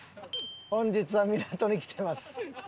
本日は港に来てます。